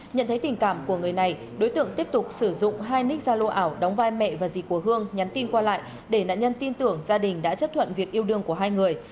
nhận thấy tình cảm của người này đối tượng tiếp tục sử dụng hai nick gia lô ảo đóng vai mẹ và gì của hương nhắn tin qua lại để nạn nhân tin tưởng gia đình đã chấp thuận việc yêu đương của hai người